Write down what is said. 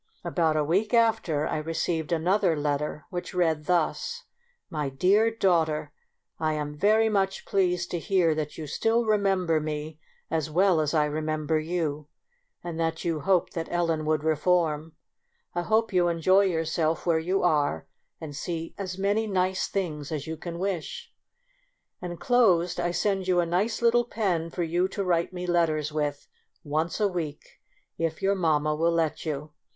About a week after I received another letter which read thus :— My dear Daughter, — I am very much pleased to hear that you still remember me as well as I remem ber you, and that you hoped that Ellen would reform. I hope you enjoy your COUNTRY DOLL. 39 self where you are, and see as many nice things as you can wish. Inclosed I send you a nice little pen for you to write me letters with once a week, if your mamma will let you.